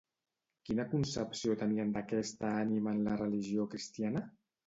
Quina concepció tenien d'aquesta ànima en la religió cristiana?